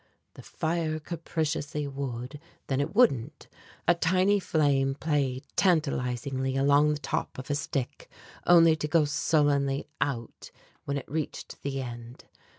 The fire capriciously would, then it wouldn't. A tiny flame played tantalizingly along the top of a stick only to go sullenly out when it reached the end.